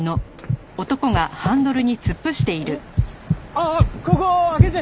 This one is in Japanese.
あっここ開けて！